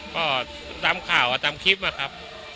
ก็ตามข่าวตามคลิปนะครับ